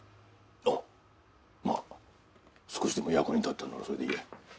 ああまあ少しでも役になったならそれでいいや。